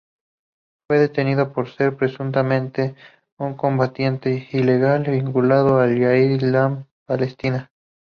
Fue detenido por ser, presuntamente, un combatiente ilegal vinculado a la Yihad Islámica Palestina.